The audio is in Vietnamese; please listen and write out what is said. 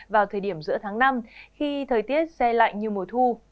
vào thời điểm giữa tháng năm khi thời tiết xe lạnh như mùa thu